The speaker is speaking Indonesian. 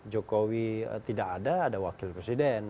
jokowi tidak ada ada wakil presiden